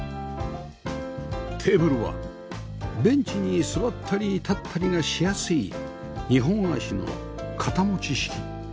テーブルはベンチに座ったり立ったりがしやすい２本脚の片持ち式